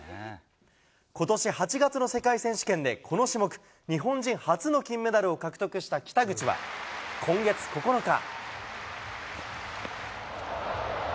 ことし８月の世界選手権で、この種目、日本人初の金メダルを獲得した北口は、今月９日。